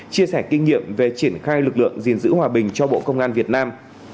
chia sẻ kinh nghiệm về triển khai lực lượng gìn giữ hòa bình cho bộ công an việt nam